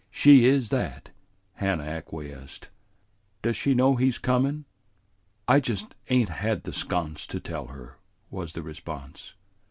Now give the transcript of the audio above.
"She is that," Hannah acquiesced. "Does she know he's comin'?" "I just ain't had the sconce to tell her," was the response.